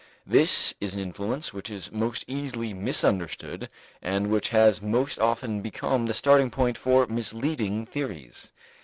This is an influence which is most easily misunderstood and which has most often become the starting point for misleading theories.